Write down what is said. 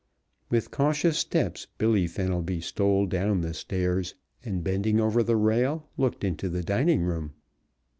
With cautious steps Billy Fenelby stole down the stairs and bending over the rail looked into the dining room.